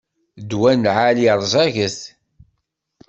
Ddwa n lɛali rẓaget.